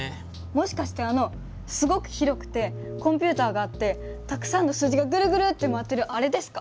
もしかしてあのすごく広くてコンピューターがあってたくさんの数字がグルグルって回ってるあれですか？